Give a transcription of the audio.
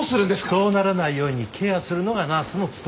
そうならないようにケアするのがナースの務めです。